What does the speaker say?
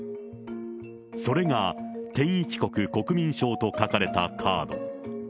それが天一国国民証と書かれたカード。